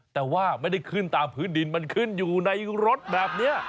แต่ว่าไม่ได้ขึ้นตามพื้นดินมันขึ้นอยู่ในรถแบบนี้